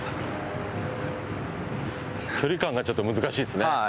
距離感がちょっと難しいですね。